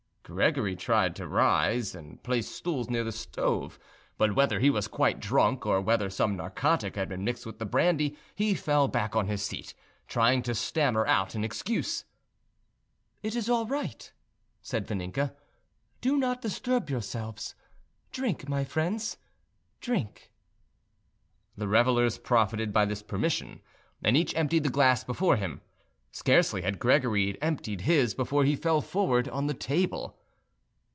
Gregory tried to rise and place stools near the stove, but whether he was quite drunk or whether some narcotic had been mixed with the brandy, he fell back on his seat, trying to stammer out an excuse. "It is all right," said Vaninka: "do not disturb yourselves; drink, my friends, drink." The revellers profited by this permission, and each emptied the glass before him. Scarcely had Gregory emptied his before he fell forward on the table.